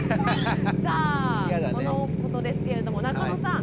さあこのことですけれども中野さん。